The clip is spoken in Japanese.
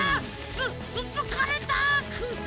つつつかれた！